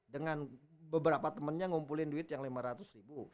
dengan beberapa temannya ngumpulin duit yang lima ratus ribu